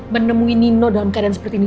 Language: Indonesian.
menemui nino dalam keadaan seperti ini